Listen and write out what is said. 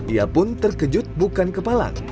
ia pun terkejut bukan kepala